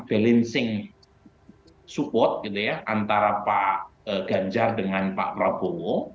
balancing support gitu ya antara pak ganjar dengan pak prabowo